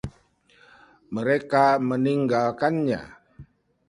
Mereka meninggalkannya.